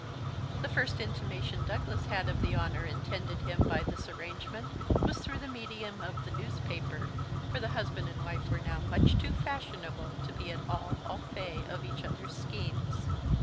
The first intimation Douglas had of the honour intended him by this arrangement was through the medium of the newspaper, for the husband and wife were now much too fashionable to be at all au fait of each other's schemes.